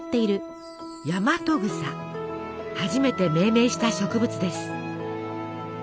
初めて命名した植物です。